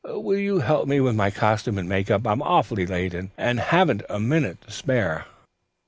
Will you help me with my costume and make up? I'm awfully late, and haven't a minute to spare."